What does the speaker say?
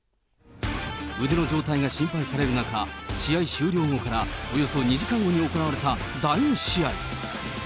腕の状態が心配される中、試合終了後からおよそ２時間後に行われた第２試合。